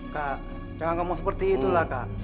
kak jangan ngomong seperti itulah kak